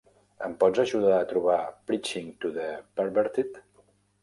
Em pots ajudar a trobar Preaching to the Perverted?